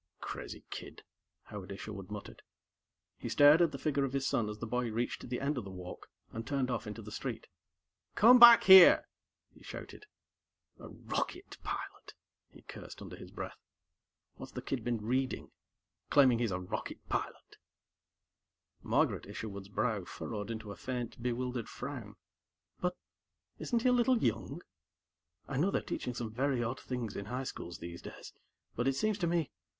"Crazy kid," Howard Isherwood muttered. He stared at the figure of his son as the boy reached the end of the walk and turned off into the street. "Come back here!" he shouted. "A rocket pilot," he cursed under his breath. "What's the kid been reading? Claiming he's a rocket pilot!" Margaret Isherwood's brow furrowed into a faint, bewildered frown. "But isn't he a little young? I know they're teaching some very odd things in high schools these days, but it seems to me...."